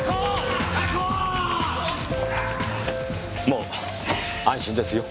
もう安心ですよ。